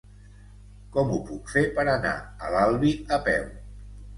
Com ho puc fer per anar a l'Albi a peu?